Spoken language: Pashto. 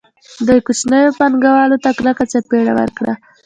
دوی کوچنیو پانګوالو ته کلکه څپېړه ورکړه